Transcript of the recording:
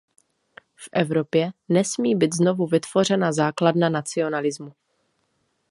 V Evropě nesmí být znovu vytvořena základna nacionalismu.